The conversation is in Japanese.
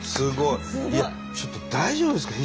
いやちょっと大丈夫ですか？